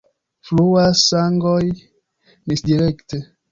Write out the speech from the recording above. Fluas sangoj misdirekte.